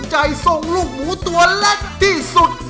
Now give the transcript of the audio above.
ใจทรงลูกหมูตัวเล็กที่สุด